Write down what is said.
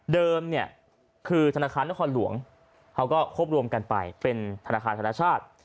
เนี่ยคือธนาคารนครหลวงเขาก็ควบรวมกันไปเป็นธนาคารธนชาติ